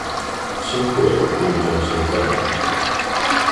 輕軌旅運中心站